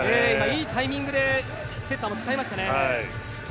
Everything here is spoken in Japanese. いいタイミングでセッターを使いましたね。